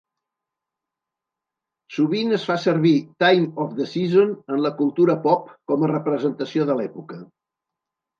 Sovint es fa servir "Time of the Season" en la cultura pop com a representació de l'època.